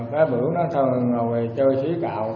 cái bữa nó ngồi chơi xí cạo